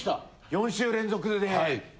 ４週連続で。